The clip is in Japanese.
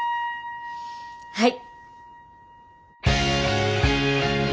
はい。